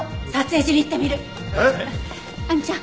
亜美ちゃん！